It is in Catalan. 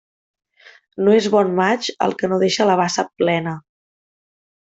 No és bon maig el que no deixa la bassa plena.